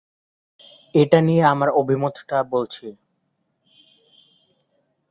এটা নিয়ে আমার অভিমমতটা বলছি।